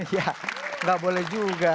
ya enggak boleh juga